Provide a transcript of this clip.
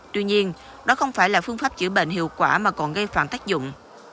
tuy nhiên đó không phải là phương pháp chữa bệnh hiệu quả mà còn gây phản tác dụng